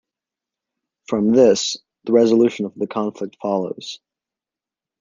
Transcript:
From this, the resolution of the conflict follows.